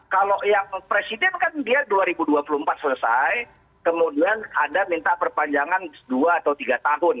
kalau yang presiden kan dia dua ribu dua puluh empat selesai kemudian anda minta perpanjangan dua atau tiga tahun